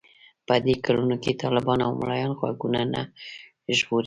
په دې کلونو کې طالبان او ملايان غوږونه نه ژغوري.